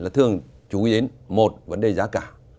thường chú ý đến một vấn đề giá cả